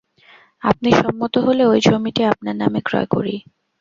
আপনি সম্মত হলে ঐ জমিটি আপনার নামে ক্রয় করি।